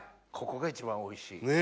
ここが一番おいしい。